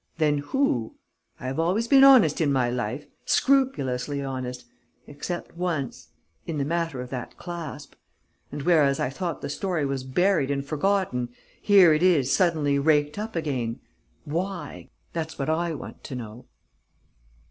Then who?... I have always been honest in my life, scrupulously honest ... except once ... in the matter of that clasp. And, whereas I thought the story was buried and forgotten, here it is suddenly raked up again. Why? That's what I want to know."